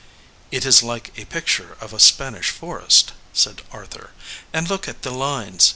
"It is like a picture of a Spanish forest," said Arthur. "And look at the lines!